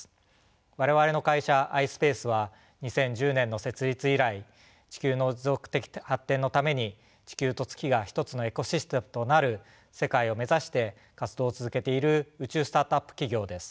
我々の会社ｉｓｐａｃｅは２０１０年の設立以来地球の持続的発展のために地球と月が一つのエコシステムとなる世界を目指して活動を続けている宇宙スタートアップ企業です。